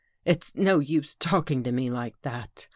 " It's no use talking to me like that.